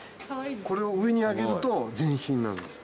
これを上に上げると前進なんです。